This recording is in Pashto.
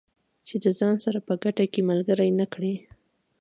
چې د ځان سره په ګټه کې ملګري نه کړي.